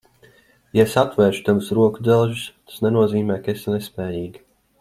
Ja es atvēršu tavus rokudzelžus, tas nenozīmē, ka esi nespējīga.